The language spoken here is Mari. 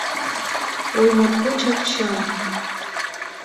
— Ой, моткочак чын!